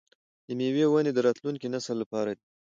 د میوو ونې د راتلونکي نسل لپاره دي.